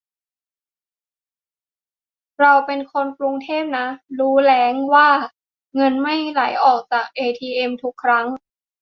เราเป็นคนกรุงเทพนะ รู้ว่าแล้งด้วย เงินไม่ไหลออกจากเอทีเอ็มทุกครั้ง :'